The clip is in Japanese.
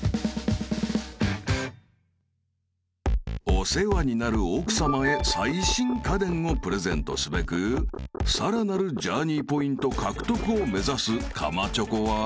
［お世話になる奥さまへ最新家電をプレゼントすべくさらなるジャーニーポイント獲得を目指すかまチョコは］